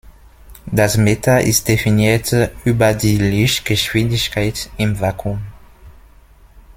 Das Meter ist definiert über die Lichtgeschwindigkeit im Vakuum.